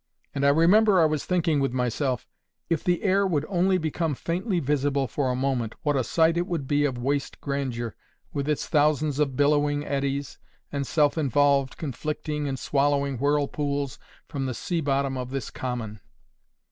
And I remember I was thinking with myself: "If the air would only become faintly visible for a moment, what a sight it would be of waste grandeur with its thousands of billowing eddies, and self involved, conflicting, and swallowing whirlpools from the sea bottom of this common!"